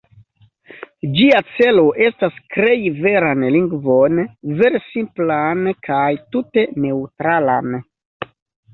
Ĝia celo estas krei veran lingvon, vere simplan kaj tute neŭtralan.